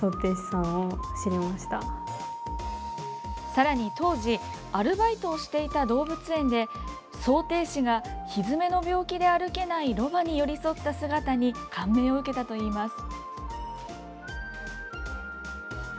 さらに当時アルバイトをしていた動物園で装蹄師が、ひづめの病気で歩けないロバに寄り添った姿に感銘を受けたといいます。